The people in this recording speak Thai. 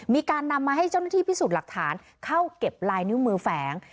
มีการนำมาให้เจ้าหน้าที่พิสูจน์หลักฐานเข้าเก็บลายนิ้วมือแฝง